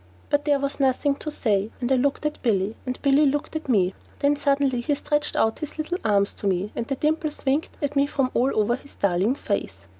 But there was nothing to say, and I looked at Billy, and Billy looked at me. Then suddenly he stretched out his little arms to me, and the dimples winked at me from all over his darling face.